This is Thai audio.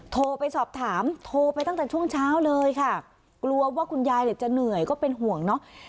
โทรไปสอบถามโทรไปตั้งแต่ช่วงเช้าเลยค่ะกลัวว่าคุณยายเนี่ยจะเหนื่อยก็เป็นห่วงเนาะ